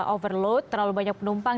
overload terlalu banyak penumpang